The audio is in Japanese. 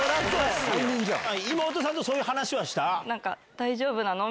妹さんとそういう話はした？